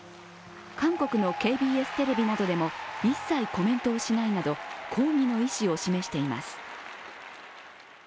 韓国のＫＢＳテレビなどでも一切コメントをしないなど抗議の意思を示しています。